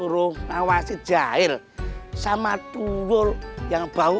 tuh popi yang kok akutnya